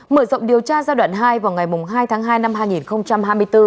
mở rộng điều tra giai đoạn hai vào ngày hai tháng hai năm hai nghìn hai mươi bốn